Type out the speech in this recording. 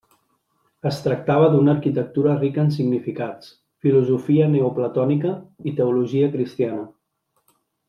Es tractava d'una arquitectura rica en significats: filosofia neoplatònica i teologia cristiana.